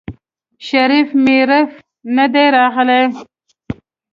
شريف مريف ندی راغلی.